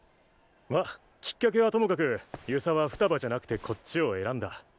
まきっかけはともかく遊佐はふたばじゃなくてこっちを選んだ。